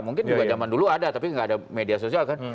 mungkin juga zaman dulu ada tapi nggak ada media sosial kan